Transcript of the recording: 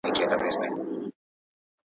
پټه خبره تر ډېره وخته پټه پاتې نه شوه.